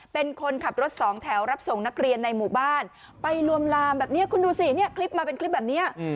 เป็นคนขับรถสองแถวรับส่งนักเรียนในหมู่บ้านไปลวนลามแบบนี้คุณดูสิเนี่ยคลิปมาเป็นคลิปแบบนี้